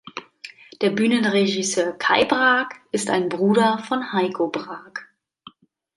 Der Bühnenregisseur Kai Braak ist ein Bruder von Heiko Braak.